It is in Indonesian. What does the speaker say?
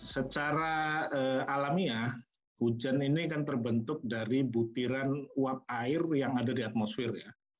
secara alamiah hujan ini kan terbentuk dari butiran uap air yang ada di atmosfer ya